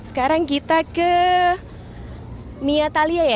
sekarang kita ke mia thalia ya